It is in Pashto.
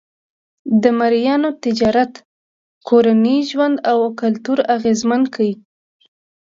د مریانو تجارت کورنی ژوند او کلتور اغېزمن کړ.